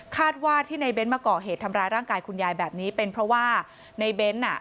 ว่าที่ในเน้นมาก่อเหตุทำร้ายร่างกายคุณยายแบบนี้เป็นเพราะว่าในเบ้นอ่ะ